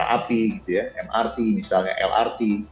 api gitu ya mrt misalnya lrt